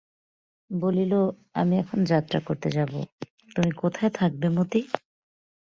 বলিল, আমি এখন যাত্রা করতে যাব, তুমি কোথায় থাকবে মতি?